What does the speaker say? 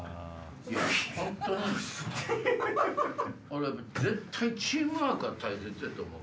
俺絶対チームワークが大切やと思う。